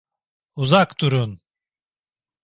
Uzak durun!